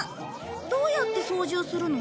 どうやって操縦するの？